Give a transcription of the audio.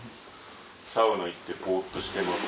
「サウナ行ってぼっとしてます。